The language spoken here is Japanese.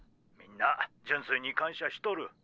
みんな純粋に感謝しとる。